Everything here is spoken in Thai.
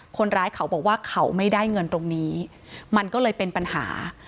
คนร้ายเขาบอกว่าเขาไม่ได้เงินตรงนี้มันก็เลยเป็นปัญหา